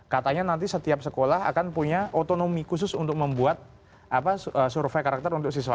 katanya nanti setiap sekolah akan punya otonomi khusus untuk membuat survei karakter untuk siswa